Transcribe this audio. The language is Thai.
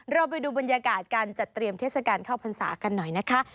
เราไปดูบรรยากาศการจัดเตรียมเทศกาลเข้าพรรษากันหน่อยนะคะ